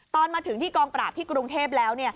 ตอนมาถึงที่กองปราบที่กรุงเทพแล้ว